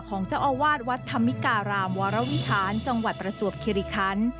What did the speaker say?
ของเจ้าอาวาสวัดธรรมิการามวรวิหารจังหวัดประจวบคิริคัน